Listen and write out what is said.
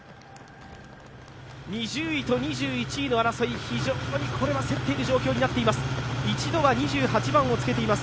２０位と２１位の争い、非常に競っている状況になっています。